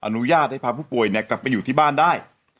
อนุญาตให้พาผู้ป่วยกลับไปอยู่ที่บ้านได้